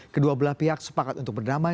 kedua belah pihak sepakat untuk berdamai